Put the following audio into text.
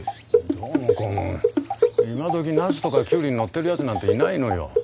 どうもこうも今どきナスとかキュウリに乗ってるやつなんていないのよ。